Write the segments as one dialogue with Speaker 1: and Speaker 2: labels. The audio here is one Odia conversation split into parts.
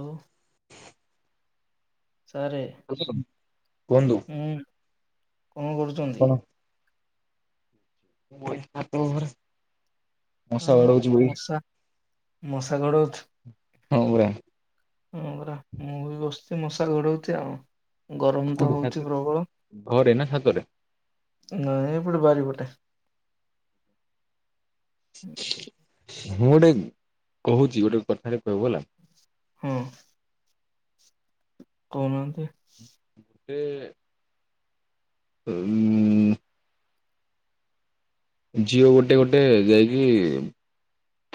Speaker 1: ହୋ ସାରେ
Speaker 2: ହ୍ୟାଲୋ କୁହନ୍ତୁ
Speaker 1: ହୁଁ କଣ କରୁଚନ୍ତି?
Speaker 2: ବଇଚି ଛାତ ଓପରେ। ମଶା
Speaker 1: ଆଉ
Speaker 2: ବାଡୁଉଛି
Speaker 1: ମଶା ମଶା ଘୋଡଉଛୁ
Speaker 2: [unintelligible] ହଁ ପରା।
Speaker 1: ହଁ ପରା ମୁଁ ବି ବସିଛି ମଶା ଘୋଡ଼ଉଛି ଆଉ ଗରମ ତ
Speaker 2: କୋଉଠି
Speaker 1: ହୋଉଛି
Speaker 2: ଛାତରେ
Speaker 1: ପ୍ରବଳ।
Speaker 2: ଘରେ ନା ଛାତରେ?
Speaker 1: ଘରେ ଏପଟେ ବାରିପଟେ।
Speaker 2: ମୁଁ ଗୋଟେ କହୁଛି ଗୋଟେ କଥାଟେ କହିବୁ ହେଲା।
Speaker 1: ହଁ। କହୁନାହାନ୍ତି?
Speaker 2: ତେ [inaudible] ଝିଅ ଗୋଟେ ଗୋଟେ ଯାଇକି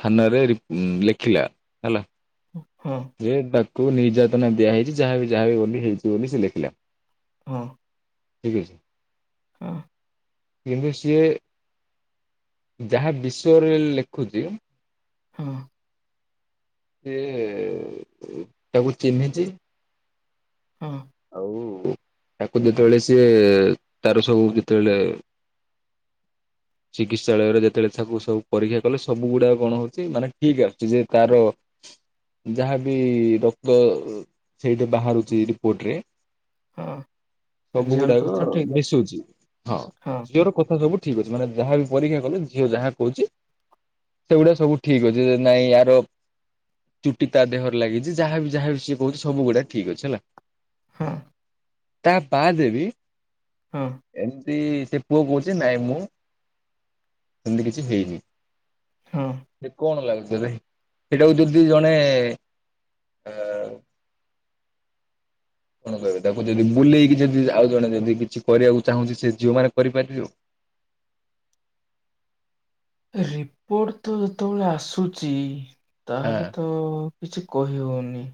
Speaker 2: ଥାନାରେ ରି ଲେଖିଲା ହେଲା।
Speaker 1: ହଁ।
Speaker 2: ଯେ ତାକୁ ନିର୍ଯାତନା ଦିଆ ହେଇଛି ଯାହାବି ଯାହାବି ବୋଲି ହେଇଛି ବୋଲି ସେ ଲେଖିଲା।
Speaker 1: ହଁ।
Speaker 2: ଠିକ୍ ଅଛି।
Speaker 1: ହଁ।
Speaker 2: କିନ୍ତୁ ସିଏ ଯାହା ବିଷୟରେ ଲେଖୁଚି।
Speaker 1: ହଁ
Speaker 2: ସିଏ ତାକୁ ଚିହ୍ନିଚି।
Speaker 1: ହଁ।
Speaker 2: ଆଉ ତାକୁ ଯେତେବେଳେ ସିଏ ତାର ସବୁ ଯେତବେଳେ ଚିକିତ୍ସାଳୟରେ ଯେତେବେଳେ ତାକୁ ସବୁ ପରୀକ୍ଷା କଲେ ସବୁ ଗୁଡ଼ାକ କଣ ହଉଛି ମାନେ ଠିକ୍ ଆସୁଛି ଯେ ତାର ଯାହାବି ରକ୍ତ ସେଇଠି ବାହାରୁଚି ରିପୋର୍ଟରେ
Speaker 1: ହଁ ସେ
Speaker 2: ସବୁ
Speaker 1: ଝିଅର
Speaker 2: ଗୁଡ଼ାକ
Speaker 1: ତଥ୍ୟ ଠିକ୍ ଅଛି।
Speaker 2: ମିଶୁଚି। ହଁ, ଝିଅର କଥା ସବୁ ଠିକ୍ ଅଛି। ମାନେ ଯାହାବି ପରୀକ୍ଷା କଲୁ, ଝିଅ ଯାହା କହୁଚି ସେଗୁଡ଼ା ସବୁ ଠିକ୍ ଅଛି, ନାଇଁ ଆର ଚୁଟି ତା ଦେହରେ ଲାଗିଚି। ଯାହାବି, ଯାହାବି ସିଏ କହୁଛି, ସବୁ ଗୁଡ଼ା ଠିକ୍ ଅଛି, ହେଲା।
Speaker 1: ହଁ।
Speaker 2: ତା ବାଦ୍ ବି
Speaker 1: ହଁ।
Speaker 2: ଏମିତି ସେ ପୁଅ କହୁଛି ନାଇଁ ମୁଁ, ସେମିତି କିଛି ହେଇନି।
Speaker 1: ହଁ
Speaker 2: ସେ କଣ ଲାଗୁଛି ତତେ? ସେଇଟାକୁ ଦୁ ଦୁ ଜଣେ କଣ କହିବି, ତାକୁ ଯଦି ବୁଲେଇକି ଯଦି ଆଉ ଜଣେ ଯଦି କିଛି କରିବାକୁ ଚାହୁଁଛି। ସେ ଝିଅ ମାନେ କରିପାରିଥିବ?
Speaker 1: ରିପୋର୍ଟ ତ ଯେତେବେଳେ ଆସୁଚି, ତାହେଲେ ତ କିଛି କହି ହଉନି।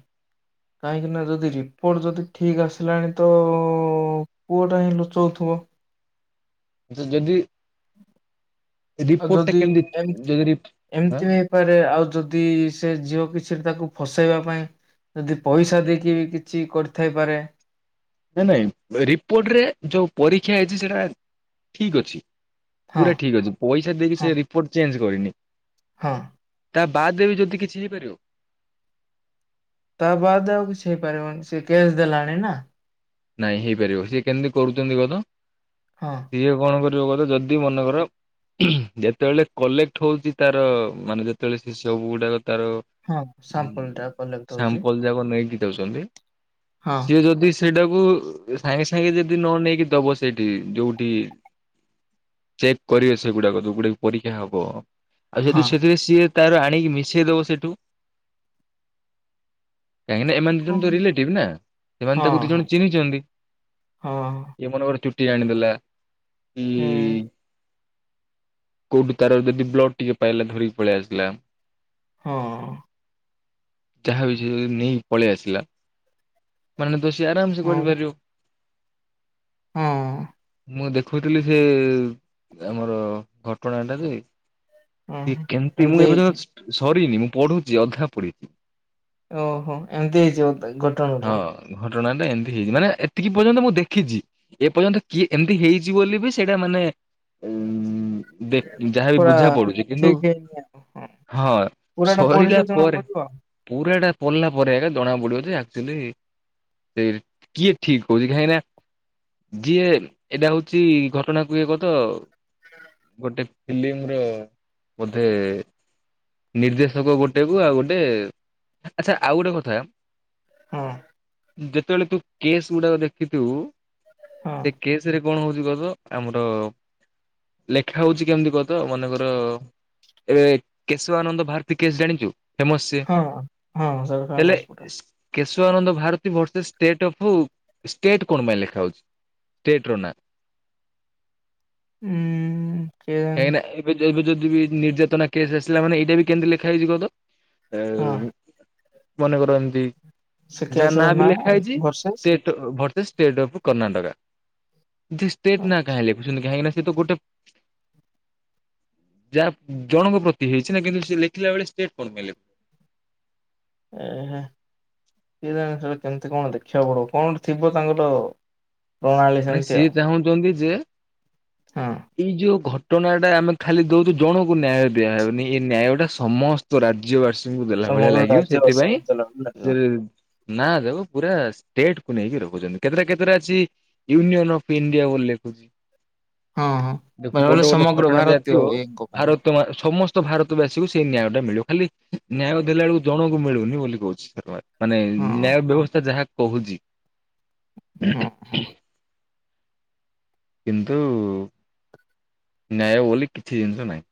Speaker 1: କାହିଁକି ନା, ଯଦି ରିପୋର୍ଟ ଯଦି ଠିକ୍ ଆସିଲାଣି ତ ପୁଅଟା ହିଁ ଲୁଚଉଥିବ।
Speaker 2: ତ ଯଦି
Speaker 1: ଆଉ
Speaker 2: ରିପୋର୍ଟ ଟା
Speaker 1: ଯଦି,
Speaker 2: କେମିତି
Speaker 1: ଏମିତି,
Speaker 2: ଯଦି ରି ହଁ
Speaker 1: ଏମିତି ପାରେ, ଆଉ ଯଦି ସେ ଝିଅ କିଛି ରେ ତାକୁ ଫସେଇବା ପାଇଁ ଯଦି ପଇସା ଦେଇକି ବି କିଛି କରିଥାଇପାରେ।
Speaker 2: ନାଇଁ ନାଇଁ, ରିପୋର୍ଟ ରେ ଯୋଉ ପରୀକ୍ଷା ହେଇଛି ସେଟା ଠିକ୍ ଅଛି।
Speaker 1: ହଁ
Speaker 2: ପୁରା ଠିକ୍ ଅଛି। ପଇସା ଦେଇକି
Speaker 1: ହଁ
Speaker 2: ସେ ରିପୋର୍ଟ ଚେଞ୍ଜ୍ କରିନି।
Speaker 1: ହଁ।
Speaker 2: ତା ବାଦ୍ ରେ ବି ଯଦି କିଛି ହେଇପାରିବ?
Speaker 1: ତା ବାଦ ଆଉ କିଛି ହେଇପାରିବନି। ସେ କେସ୍ ଦେଲାଣି ନାଁ।
Speaker 2: ନାଇଁ ହେଇପାରିବ। ସିଏ କେମିତି କରୁଛନ୍ତି ଗତ?
Speaker 1: ହଁ।
Speaker 2: ଇଏ କଣ କରିବ କହ ତ? ଯଦି ମନେ କର ଯେତେବେଳେ କଲେକ୍ଟ ହଉଛି ତାର ମାନେ, ଯେତେବେଳେ ସେ ସବୁ ଗୁଡ଼ାକ ତାର
Speaker 1: ହଁ, ସାମ୍ପୁଲ ଟା କଲେକ୍ଟ ହଉଚି।
Speaker 2: ଯାହାକୁ ନେଇକି ଯାଉଚନ୍ତି। ସିଏ ଯଦି ସେଟାକୁ ସାଙ୍ଗେ ସାଙ୍ଗେ ଯଦି ନ ନେଇକି ଦବ ସେଇଠି, ଯୋଉଠି ଚେକ୍ କରିବେ ସେଗୁଡ଼ାକ, ଯୋଉଗୁଡ଼ା କି ପରୀକ୍ଷା ହବ? ଆଉ ଯଦି
Speaker 1: ହଁ
Speaker 2: ସେଥିରେ ସିଏ ତାର ଆଣିକି, ମିଶେଇଦବ ସେଠୁ। କାହିଁକି ନା, ଏମାନେ ଦି ଜଣ ତ ରିଲେଟିଭ୍ ନା। ସେମାନେ
Speaker 1: ହଁ
Speaker 2: ତାକୁ ଦି ଜଣ
Speaker 1: ହଁ ହଁ
Speaker 2: ଏ ମନେକର ଚୁଟି ଆଣିଦେଲା। କି?
Speaker 1: ହୁଁ
Speaker 2: କୋଉଠୁ ତାର ଯଦି ବ୍ଲଡ ଟିକେ ପାଇଲା, ଧରିକି ପଳେଇ ଆସିଲା।
Speaker 1: ହଁ
Speaker 2: ଯାହା ବି ସେ ନେଇ ପଳେଇ ଆସିଲା, ମାନେ ଦୋଷୀ ଆରାମ ସେ
Speaker 1: ହଁ
Speaker 2: କରିପାରିବ।
Speaker 1: ହଁ।
Speaker 2: ମୁଁ ଦେଖୁଥିଲି ସେ ଆମର ଘଟଣାଟା ଯେ ସେ
Speaker 1: ହଁ
Speaker 2: କେମତି? ମୁଁ
Speaker 1: ଏମିତି
Speaker 2: ଏବେ
Speaker 1: ହେଇଛି
Speaker 2: ଜଷ୍ଟ ସରିନି। ମୁଁ ପଢୁଛି। ଅଧା ପଢ଼ି
Speaker 1: ଓହୋ, ଏମିତି ହେଇଯିବ, ଘ
Speaker 2: ହଁ, ଘଟଣା ଟା ଏମିତି ହେଇଛି, ମାନେ ଏତିକି ପର୍ଯ୍ୟନ୍ତ ମୁଁ ଦେଖିଚି। ଏ ପର୍ଯ୍ୟନ୍ତ କିଏ ଏମିତି ହେଇଛି ବୋଲି ବି ସେଇଟା ମାନେ, ଉ ଦେଖ, ଯାହାବି
Speaker 1: ପୁରା
Speaker 2: ବୁଝା ପଡୁଚି, କିନ୍ତୁ
Speaker 1: ଠିକ ହେଇନି ଆଉ
Speaker 2: ହଁ
Speaker 1: ପୁରାଟା
Speaker 2: ସରିଲା
Speaker 1: ପଢିଲେ ଜଣା
Speaker 2: ପରେ
Speaker 1: ପଡିବ ଆଉ
Speaker 2: ପୁରାଟା ପରଲା ପରେ ଆକା ଜଣା ପଡ଼ିବ ଯେ ଆ ଝିଲି ଯେ କିଏ ଠିକ୍ କହୁଚି କାହିଁକି ନା ଯିଏ ଏଟା ହଉଚି ଘଟଣାକୁ ଏ କ ତ ଗୋଟେ ଫିଲ୍ମର ବୋଧେ ନିର୍ଦ୍ଦେଶକ ଗୋଟେକୁ ଆଉ ଗୋଟେ ଆଚ୍ଛା ଆଉ ଗୋଟେ କଥା।
Speaker 1: ହଁ।
Speaker 2: ଯେତେଳେ ତୁ କେସ୍ ଗୁଡ଼ାକ ଦେଖିଥିବୁ
Speaker 1: ହଁ
Speaker 2: ସେ କେସ୍ ରେ କଣ ହଉଚି କ ତ ଆମର ଲେଖା ହଉଚି କେମିତି କହ ତ ମନେକର ଏବେ କେଶବାନନ୍ଦ ଭାରତୀ କେସ୍ ଜାଣିଚୁ ଫେମସ୍ ସିଏ
Speaker 1: ହଁ ହଁ ସେଇଟା
Speaker 2: ହେଲେ
Speaker 1: ଫେମସ ପୁରା
Speaker 2: Kesavananda Bharati versus state of state କଣ ପାଇଁ ଲେଖା ହଉଚି? ଟେଟ ର ନା।
Speaker 1: ଉଁ କେଜାଣି
Speaker 2: କାହିଁକି ନାଁ ଏବେ ଯରୁ ଯଦି ବି ନିର୍ଯାତନା କେସ୍ ଆସ୍ ଥିଲା ମାନେ ଏଇଟା ବି କେମିତି ଲେଖା ହେଇଚି କହ ତ
Speaker 1: ହଁ
Speaker 2: ଏ ମନେକର ଏମତି
Speaker 1: ସେ
Speaker 2: ଯାହା
Speaker 1: କେସ
Speaker 2: ନାଁ
Speaker 1: ର
Speaker 2: ବି ଲେଖା ହେଇଚି
Speaker 1: ଭରସେସ୍
Speaker 2: ତେ ତ ଭର୍ସେସ୍ ଷ୍ଟେଟ୍ ଅଫ୍ କର୍ଣ୍ଣାଟକା ଯେ ଷ୍ଟେଟ୍ ନାଁ କାହିଁ ଲେ ଉଛନ୍ତି କାହିଁକି ନା ସେ ତ ଗୋଟେ ଯାହା ଜଣଙ୍କ ପ୍ର ହେଇଛି ନା କିନ୍ତୁ ଲେଖିଲା ବେଳେ ଷ୍ଟେଟ କଣ ପାଇଁ ଲେ
Speaker 1: ଏହେ କିଏ ଜାଣେ ସେ କେମତି କଣ ଦେଖିବାକୁ ପଡ଼ିବ କଣଟେ ଥିବ ତାଙ୍କର। ପ୍ରଣାଳୀ
Speaker 2: ମାନେ
Speaker 1: ସେମିତି
Speaker 2: ସିଏ
Speaker 1: ଆଉ
Speaker 2: ଚାହୁଁଚନ୍ତି ଯେ
Speaker 1: ହଁ
Speaker 2: ଏଇ ଯୋଉ ଘ ଟଣାଟା ଆମେ ଖାଲି ଦଉଚୁ ଜଣଙ୍କୁ ନ୍ୟାୟ ଦିଆହଉନି ଏ ନ୍ୟାୟଟା ସମସ୍ତ ରାଜ୍ୟବାସ୍ ତୁଙ୍କୁ ଦେଲା ଭଳିଆ
Speaker 1: ସମଗ୍ର
Speaker 2: ଲାଗିବ
Speaker 1: ରାଜ୍ୟ
Speaker 2: ସେଥିପାଇଁ
Speaker 1: ଅଶୀଘଣ୍ଟା ଲାଗିବ।
Speaker 2: ସେ ନାଁ ଦେବ ପୁରା ଷ୍ଟେଟ୍ କୁ ନେଇକି ରଖୁଚନ୍ତି କେତେଟା କେତେଟା ଅଛି ୟୁନଅନ୍ ଅଫ୍ ଇଣ୍ଡିଆ ବୋଲି ଲେଖୁଚି।
Speaker 1: ହଁ ହଁ
Speaker 2: ଏ
Speaker 1: ବେଳେବେଳେ
Speaker 2: ବଡ଼ ବଡ଼
Speaker 1: ସମଗ୍ର
Speaker 2: ଘଟଣା ଯାହା
Speaker 1: ଭାରତୀୟ
Speaker 2: ଥିବ
Speaker 1: ଏଙ୍କ ପାଇଁ
Speaker 2: ଭାର ତ ସମସ୍ତ ଭାରତବାସୀକୁ ସେଇ ନ୍ୟାୟଟା ମିଳିବ ଖାଲି ନ୍ୟାୟ ଦେଲା ଅଳୁ ଜଣଙ୍କୁ ମିଳୁନି ବୋଲି କହୁଚି [inaudible] ମାନେ
Speaker 1: ହଁ
Speaker 2: ନ୍ୟାୟ ବ୍ୟବସ୍ଥା ଯାହା କହୁଚି।
Speaker 1: ହଁ ହଁ।
Speaker 2: କିନ୍ତୁ ନ୍ୟାୟ ବୋଲି କିଛି ଜିନିଷ ନାହିଁ।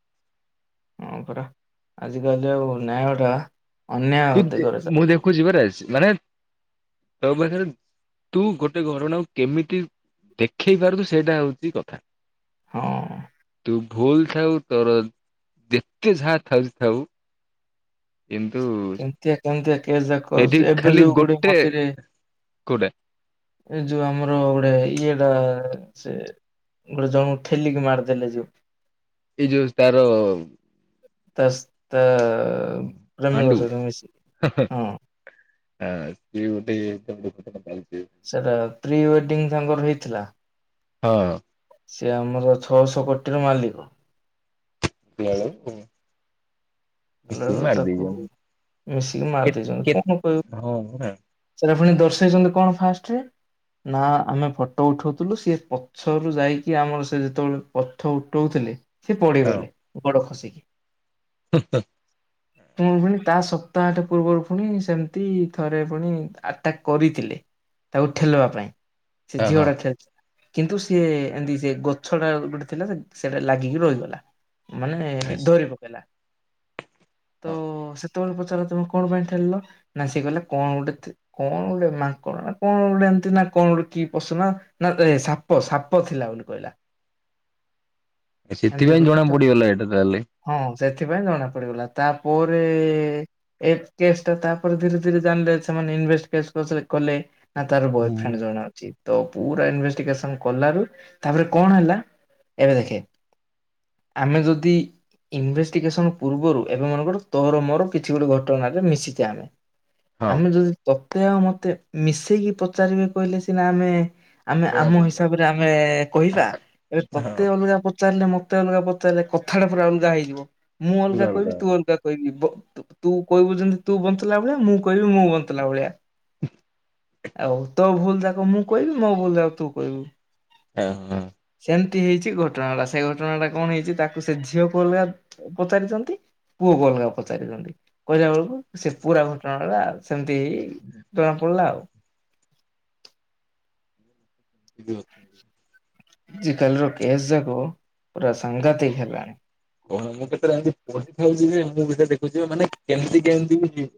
Speaker 1: ହଁ ପରା ଆଜିକାଲି ଆଉ ନ୍ୟାୟଟା
Speaker 2: ତୁଇ
Speaker 1: ଅନ୍ୟାୟ
Speaker 2: ଦେ
Speaker 1: ଦିଗରେ ଚା
Speaker 2: ମୁଁ ଦେଖୁଚି ପରା ମାନେ ତୋ ପାଖରେ ତୁ ଗୋଟେ ଘରଣାକୁ କେମିତି ଦେଖେଇ ପାରୁଚୁ ସେଇଟା ହଉଚି କଥା।
Speaker 1: ହଁ।
Speaker 2: ତୁ ଭୁଲ୍ ଥାଉ ତୋର ଯେତେ ଯାହା ଥାଉଚି ଥାଉ। କିନ୍ତୁ
Speaker 1: କେମତିଆ କେମତିଆ କେସ୍ ଯାକ
Speaker 2: ସେଇଠି
Speaker 1: ଆସୁଚି ଏବେ
Speaker 2: ଖାଲି
Speaker 1: ଯୋଉ ଗୋଟେ ମଝିରେ
Speaker 2: କୋଉଟା?
Speaker 1: ଏ ଯୋଉ ଆମର ଗୋଟେ ଇଏଟା ସେ ଗୋଟେ ଜଣଙ୍କୁ ଠେଲିକି ମାରିଦେଲେ ଯୋଉ।
Speaker 2: ଏଇ ଯୋଉ ତାର
Speaker 1: ତାସ୍ ତା ପ୍ରେମିକ ସହିତ ମିଶି ହଁ।
Speaker 2: ଆ ସିଏ ଗୋଟେ ତାକୁ ଦୁଃଖଦ କଥା ଆଉ।
Speaker 1: ସେଟା ପ୍ରି ୱେଡିଙ୍ଗ୍ ତାଙ୍କର ହେଇଥିଲା।
Speaker 2: ହଁ
Speaker 1: ସେ ଆମର ଛଅଶହ କୋଟିର ମାଲିକ।
Speaker 2: [unintelligible] ମିଶିକି
Speaker 1: ଲାଲୁ
Speaker 2: ମାରି
Speaker 1: ତାକୁ
Speaker 2: ଦେଇଛନ୍ତି
Speaker 1: ମିଶିକି ମାରି
Speaker 2: କେତେ
Speaker 1: ଦେଇଛନ୍ତି କଣ କହିବ
Speaker 2: କେତେ ହଁ ପରା
Speaker 1: ସେଟାକୁ ଫୁଣି ଦର୍ଶେଇଛନ୍ତି କଣ ଫାଷ୍ଟ ନା ଆମେ ଫଟୋ ଉଠଉଥିଲୁ ସିଏ ପ ସରରୁ ଯାଇକି ଆମର ସେ ଯେତେବେଳେ ପଥ ଉଠଉଥିଲେ ସେ ପଡ଼ିଗଲେ ଗୋଡ଼ ଖସିକି।
Speaker 2: ହୁ ହ।
Speaker 1: ପୁଣି ପୁଣି ତା ସପ୍ତାହଟା ପୂର୍ବରୁ ପୁଣି ସେମିତି ଥରେ ପୁଣି ଆଟାକ୍ କରିଥିଲେ। ତାକୁ ଠେଲଦବା ପାଇଁ ସେ
Speaker 2: ହଁ
Speaker 1: ଝିଅ
Speaker 2: ହଁ
Speaker 1: ଟା ଠେଲ୍ କିନ୍ତୁ ସିଏ ଏମିତି ସେ ଗଛ ଟା ଗୋଟେ ଥିଲା ସେଟା ଲାଗିକି ରହିଗଲା। ମାନେ
Speaker 2: ହଁ
Speaker 1: ଧରି ପକେଇଲା। ତ ସେତେବେଳେ ପଚାରିଲା ତମେ କଣ ପାଇଁ ଠେଲିଲ ନା ସିଏ କହିଲା କଣ ଗୋଟେ କଣ ଗୋଟେ ମାଙ୍କଡ ନା କଣ ଗୋଟେ ଏମିତି ନା କଣ ଗୋଟେ କି ପଶୁନା ନା ଏ ସାପ ସାପ ଥିଲା ବୋଲି କହିଲା। ଏମିତି
Speaker 2: ସେଥିପାଇଁ ଜଣେ
Speaker 1: କହିକି
Speaker 2: ବୁଡିଗଲା ଏଇଟା ତାହେଲେ।
Speaker 1: ହଁ ସେଥିପାଇଁ ଜଣା ପଡିଗଲା ତାପରେ ଏ କେସ୍ ଟା ତାପରେ ଧୀରେ ଧୀରେ ଜାଣିଲେ ସେମାନେ ଇନଭେଷ୍ଟ କରୁଥିଲେ କଲେ। ନା ତାର ବୟଫ୍ରେଣ୍ଡ ଜଣ ଚି ତ ପୁରା ଇନଭେଷ୍ଟିକେସନ କଲାରୁ ତାପରେ କଣ ହେଲା। ଏବେ ଦେଖେ ଆମେ ଯଦି ଇନଭେଷ୍ଟ ଟିକେ ସମୟ ପୂର୍ବରୁ ଏବେ ମାନଙ୍କର ତୋର ମୋର କିଛି ଗୋଟେ ଘଟଣାରେ ମିଶିଚେ ଆମେ।
Speaker 2: ହଁ
Speaker 1: ଆମେ ଯଦି ତତେ ଆଉ ମତେ ମିଶେଇକି ପଚାରିବେ କହିଲେ ସିନା ଆମେ ଆମେ
Speaker 2: ଜଣା
Speaker 1: ଆମ ହିସାବରେ
Speaker 2: ପଡିବ
Speaker 1: ଆମେ କହିବା ଏବେ
Speaker 2: ହଁ
Speaker 1: ତତେ ଅଲଗା ପଚାରିଲେ ମତେ ଅଲଗା ପଚାରିଲେ କଥାଟା ପୁରା ଅଲଗା ହେଇଯିବ। ମୁଁ ଅଲଗା କହିବି ତୁ ଅଲଗା। କିବି ତୁ କହିବୁ ଯେମିତି ତୁ ବଞ୍ଚିଲା ଭଳିଆ ମୁଁ କହିବୁ ମୁଁ ବଞ୍ଚିଲା ଭଳିଆ। ଆଉ ତୋ ଭୁଲ ଯାକ ମୁଁ କହିବି ମୋ ଭୁଲ ଯାକ ତୁ କହିବୁ।
Speaker 2: ଓହୋ।
Speaker 1: ସେମିତି ହେଇଛି ଘଟଣା ଟା ସେ ଘଟଣା ଟା କଣ ହେଇଛି ତାକୁ ସେ ଝିଅ କୁ ଅଲଗା ପଚାରିଛନ୍ତି ପୁଅ କୁ ଅଲଗା ପଚାରିଛନ୍ତି କହିଲା ବେଳକୁ ସେ ପୁରା ଘଟଣାଟା ସେମିତି ଜଣା ପଡ଼ିଲା ଆଉ।
Speaker 2: [unintelligible]
Speaker 1: ଆଜ କାଲିର କେସ୍ ଯାକ ପୁରା ସାଂଘାତିକ ହେଲାଣି।
Speaker 2: ହଁ ମୁଁ କେତେବେଳେ ଏମିତି ପଢିଥାଉଛିି ଯେ ମୁଁ ବି ସେ ଦେଖୁଛିିବ ମାନେ କେମିତି କେମିତି ବି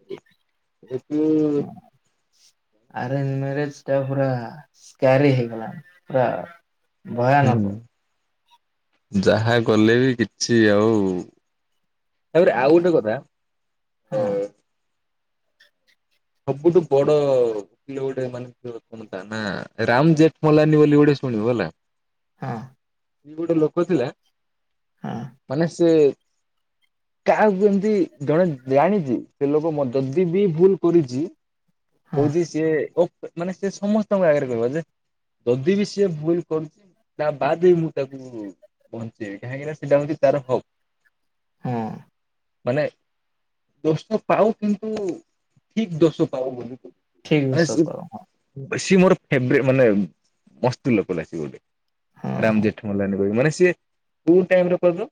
Speaker 2: ଏବେ
Speaker 1: ଆରେଞ୍ଜ ମ୍ୟାରେଜେ ଟା ପୁରା ସ୍କାରି ହେଇଗଲାଣି ପୁରା
Speaker 2: ହୁଁ।
Speaker 1: ଭୟାନକ।
Speaker 2: ଯାହା କଲେ ବି କିଛି ଆଉ ତାପରେ ଆଉ
Speaker 1: ହଁ
Speaker 2: ଗୋଟେ କଥା।
Speaker 1: ହଁ।
Speaker 2: ସବୁଠୁ ବଡ ଥିଲେ ଗୋଟେ ମାନେ ତା ନା ରାମ ଜେଠମଲାନୀ ବୋଲି ଗୋଟେ ସୁଣିବ ହେଲା।
Speaker 1: ହଁ।
Speaker 2: ଗୋଟେ ଲୋକ ଥିଲା ମାନେ ସେ କାହାକୁ ଏମିତି ଜଣେ ଜାଣିଛି ସେ ଲୋକ ମ ଯଦି ବି ଭୁଲ୍ କରିଛି।
Speaker 1: ହଁ
Speaker 2: କହୁଚି ସିଏ ଓ ମାନେ ସେ ସମସ୍ତଙ୍କ ଆଗରେ କହିବ। ଯେ ଯଦି ବି ସିଏ ଭୁଲ କରୁଚି ତା ବାଦେ ବି ମୁଁ ତାକୁ ବଞ୍ଚେଇବି କାହିଁକି ନା ସେଟା ହଉଚି ତାର ହକ।
Speaker 1: ହଁ।
Speaker 2: ମାନେ ଦୋଷ ପାଉ କିନ୍ତୁ ଠିକ ଦୋଷ ପାଉ ବୋଲି।
Speaker 1: ଠିକ
Speaker 2: ମାନେ
Speaker 1: ସତ
Speaker 2: ସିଏ ମୋର ଫେବ ମାନେ ମସ୍ତ ଲୋକ ଟାଏ ସିଏ ଗୋଟେ।
Speaker 1: ହଁ
Speaker 2: ରାମ ଜେଠ ମଲ୍ଲାନୀ କହିବି ମାନେ ସିଏ କୋଉ ଟାଇମରେ କହ ତ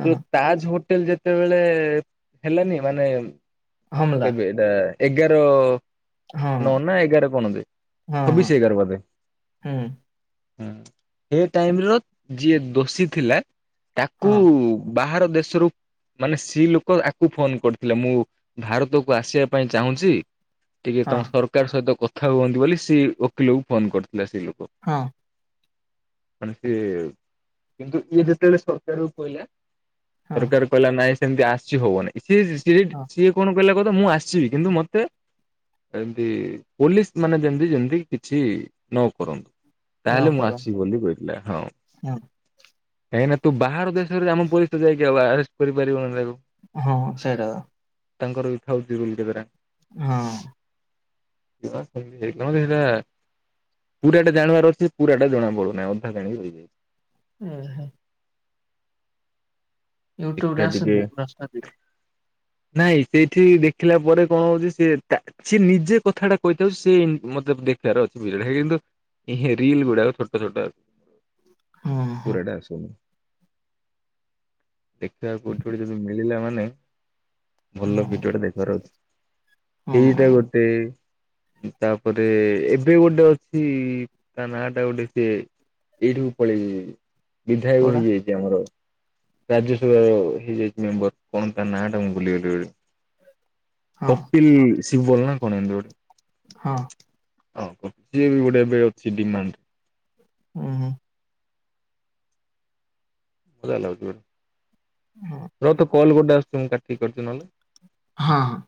Speaker 1: ହଁ
Speaker 2: ଯୋଉ ତାଜ ହୋଟେଲ ଯେତେବେଳେ ହେଲାନି ମାନେ
Speaker 1: ହମଲା
Speaker 2: କେବେ ଆ ଏଗାର
Speaker 1: ହଁ
Speaker 2: ନ ନା ଏଗାର କଣ ଦେ
Speaker 1: ହଁ ହଁ
Speaker 2: ଛବିଶ ଏଗାର ବୋଦେ
Speaker 1: ହୁଁ
Speaker 2: ହୁଁ ଏ ଟାଇମ ର ଯିଏ ଦୋଷୀ ଥିଲା ତାକୁ
Speaker 1: ହଁ
Speaker 2: ବାହାର ଦେଶରୁ ମାନେ ସି ଲୋକ ଆକୁ ଫୋନ କରିଥିଲା ମୁଁ ଭାରତକୁ ଆସିବା ପାଇଁ ଚାହୁଁଚି ଟିକେ
Speaker 1: ହଁ
Speaker 2: ତମ ସରକାର ସହିତ କଥା ହୁଅନ୍ତି ବୋଲି ସେ ଓକିଲକୁ ଫୋନ କରିଥିଲା ସେ ଲୋକ।
Speaker 1: ହଁ।
Speaker 2: ମାନେ ସିଏ କିନ୍ତୁ ଇଏ ଯେତେବେଳେ ସରକାର କୁ କହିଲା
Speaker 1: ହଁ
Speaker 2: ସରକାର କହିଲା ନାଇଁ ସେମିତି ଆସି ହବନାଇଁ ସିଏ ସିଏ
Speaker 1: ହଁ
Speaker 2: ସିଏ କଣ କଇଲା କତ ମୁଁ ଆସିବି କିନ୍ତୁ ମତେ ଏମତି ପୋଲିସ ମାନେ ଯେମତି ଯେମିତି କିଛି ନ କରନ୍ତୁ।
Speaker 1: ନ
Speaker 2: ତାହେଲେ ମୁଁ
Speaker 1: କର
Speaker 2: ଆସିବି ବୋଲି କହିଥିଲା ହଁ।
Speaker 1: ହଁ
Speaker 2: କାହିଁକି ନା ତୁ ବାହାର ଦେଶରେ ଆମ ପୋଲିସ ତ ଯାଇକି ଆଉ ଆରେଷ୍ଟ କରିପାରିବନି ତାକୁ।
Speaker 1: ହଁ ସେଡା
Speaker 2: ତାଙ୍କର [unintelligible]
Speaker 1: ହଁ।
Speaker 2: [unintelligible] ପୁରାଟା ଜାଣିବାର ଅଛି ପୁରାଟା ଜଣା ପଡୁନାହିଁ ଅଧା [unintelligible]
Speaker 1: ହୁଁ ହୁଁ। ୟୁଟ୍ୟୁବରେ
Speaker 2: ଦେଖା ଟିକେ।
Speaker 1: ଆସୁନି ପୁରା ଷ୍ଟାଟିକ
Speaker 2: ନାଇଁ ସେଇଠି ଦେଖିଲା ପରେ କଣ ହଉଛି ସେ ଏଟା ସିଏ ନିଜେ କଥାଟା କହିଥାଉ ସେ ମ ଦେଖିବାର ଅଛି ବିଜଳି କିନ୍ତୁ ରିଲ ଗୁଡାକ ଛୋଟ ଛୋଟ
Speaker 1: ହଁ ହଁ
Speaker 2: ପୁରାଟା ଆସୁନ ଦେଖିବାକୁ କୋଠ ଯଦି ମିଳିଲା ମାନେ ଭଲ
Speaker 1: ହଁ
Speaker 2: ଭିଡିଓ ଟା ଦେଖିବାର ଅଛି
Speaker 1: ହଁ
Speaker 2: ସେଇଟା ଗୋଟେ ତାପରେ ଏବେ ଗୋଟେ ଅଛି ତା ନା ଟା ଗୋଟେ ସିଏ ଏଇଠିକୁ ପଳେଇ ବିଧାୟକ
Speaker 1: କୋଉଟା
Speaker 2: ହେଇଯାଇଛି ଆମର ରାଜ୍ୟସଭାର ହେଇଯାଇଛି ମେମ୍ବର କଣ ତା ନାଁ ଟା ମୁଁ ଭୁଲିଗଲି ଯେ
Speaker 1: ହଁ
Speaker 2: କପିଲ ଶିବଲ ନା କଣ ଏମତି ଗୋଟେ।
Speaker 1: ହଁ।
Speaker 2: ହଉ କ ସିଏ ବି ଗୋଟେ ଏବେ ଅଛି ଡିମାଣ୍ଡ।
Speaker 1: ହୁଁ ହୁଁ।
Speaker 2: ମଜା ଲାଗୁଥିଲା
Speaker 1: ହଁ
Speaker 2: ର ତ କଲ ଗୋଟେ ଆସୁଚି ମୁଁ କାଠିକି କରୁଚି ନହେଲେ।
Speaker 1: ହଁ ହଁ।